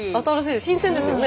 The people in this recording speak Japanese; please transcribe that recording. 新鮮ですよね